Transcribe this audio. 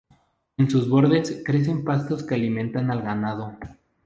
En sus bordes crecen pastos que alimentan al ganado.